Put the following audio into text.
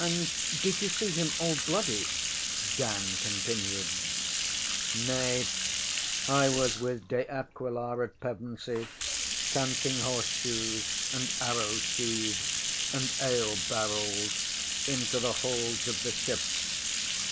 ŌĆÖ ŌĆśAnd did you see him all bloody? ŌĆÖ Dan continued. ŌĆśNay, I was with De Aquila at Pevensey, counting horseshoes, and arrow sheaves, and ale barrels into the holds of the ships.